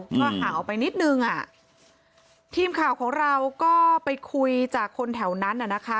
ก็ห่างออกไปนิดนึงอ่ะทีมข่าวของเราก็ไปคุยจากคนแถวนั้นน่ะนะคะ